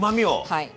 はい。